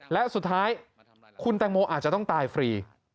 และสุดท้ายคุณแตงโมอาจจะต้องตายฟรี